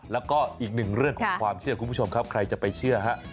และก็อีกหนึ่งเรื่องความเชื่อกับคุณผู้ชมใครจะไปเชื่อครับ